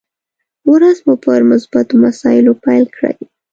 ورځ مو پر مثبتو مسايلو پيل کړئ!